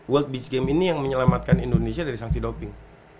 world beach game ini yang menyelamatkan indonesia dari sanksi doping